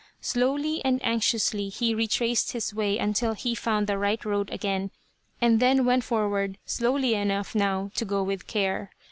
Slowly and anxiously he retraced his way until he found the right road again, and then went forward slowly enough now to go with care.